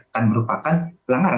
dan merupakan pelanggaran